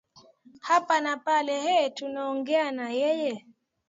hapa na pale eeh tunaongea na yeye